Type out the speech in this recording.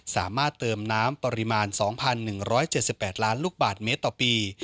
สามารถเติมน้ำปริมาณ๒๑๗๘ล้านลูกบาทเมตรต่อปี